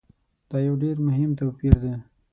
دا یو ډېر مهم توپیر دی.